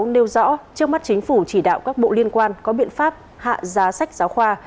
nêu rõ trước mắt chính phủ chỉ đạo các bộ liên quan có biện pháp hạ giá sách giáo khoa